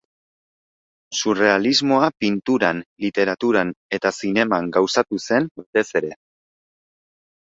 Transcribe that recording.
Surrealismoa pinturan, literaturan eta zineman gauzatu zen batez ere.